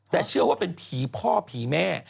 แต่เชื่อว่าเป็นผีพ่อผีแม่